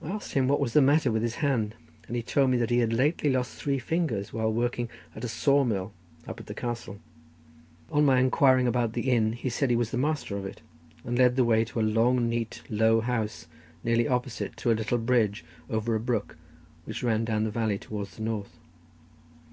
I asked him what was the matter with his hand, and he told me that he had lately lost three fingers, whilst working at a saw mill up at the castle. On my inquiring about the inn, he said he was the master of it, and led the way to a long, neat, low house nearly opposite to a little bridge over a brook, which ran down the valley towards the north.